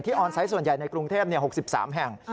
ออนไซต์ส่วนใหญ่ในกรุงเทพ๖๓แห่ง